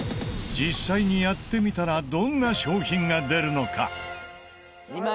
実際にやってみたらどんな商品が出るのか？